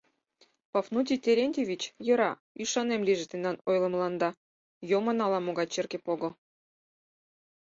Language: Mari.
— Пафнутий Терентьевич, йӧра, ӱшанем лийже тендан ойлымыланда: йомын ала-могай черке пого.